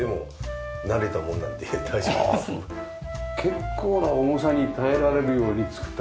結構な重さに耐えられるように作った。